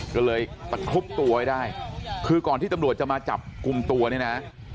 ก็เลยตะครุบตัวไว้ได้คือก่อนที่ตำรวจจะมาจับกลุ่มตัวเนี่ยนะ